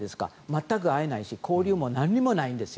全く会えないし交流も何もないんです。